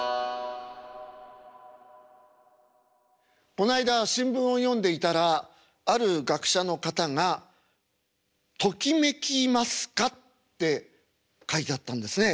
こないだ新聞を読んでいたらある学者の方が「ときめきますか？」って書いてあったんですね。